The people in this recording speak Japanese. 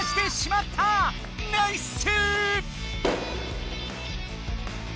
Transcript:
ナイッス！